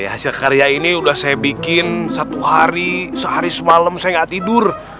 hasil karya ini udah saya bikin satu hari sehari semalam saya nggak tidur